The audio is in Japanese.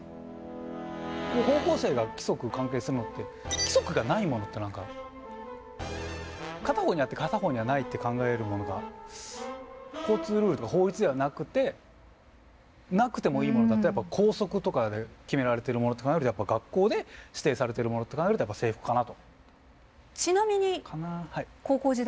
高校生が規則関係するのって規則がないものって何か片方にあって片方にはないって考えるものが交通ルールとか法律ではなくてなくてもいいものだとやっぱ校則とかで決められてるものとかってなるとやっぱ学校で指定されてるものとかってなるとやっぱ制服かなと。